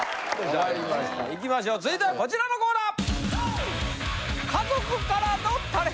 わかりましたいきましょう続いてはこちらのコーナー！